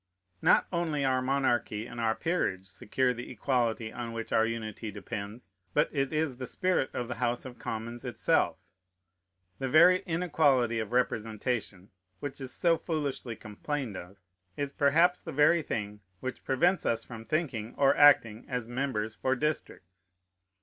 Not only our monarchy and our peerage secure the equality on which our unity depends, but it is the spirit of the House of Commons itself. The very inequality of representation, which is so foolishly complained of, is perhaps the very thing which prevents us from thinking or acting as members for districts.